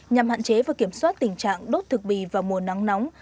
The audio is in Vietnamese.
nhằm hạn chế và kiểm soát tình trạng đốt thực bì vào mùa nắng nóng